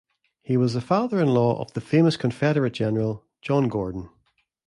He was the father-in-law of the famous Confederate General John Gordon.